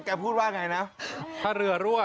แกพูดว่าอย่างไรนะถ้าเรือรั่ว